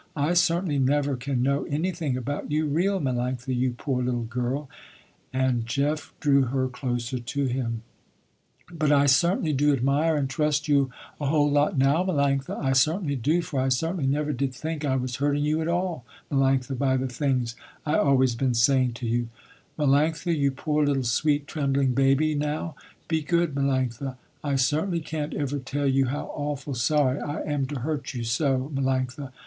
"I certainly never can know anything about you real, Melanctha, you poor little girl," and Jeff drew her closer to him, "But I certainly do admire and trust you a whole lot now, Melanctha. I certainly do, for I certainly never did think I was hurting you at all, Melanctha, by the things I always been saying to you. Melanctha, you poor little, sweet, trembling baby now, be good, Melanctha. I certainly can't ever tell you how awful sorry I am to hurt you so, Melanctha.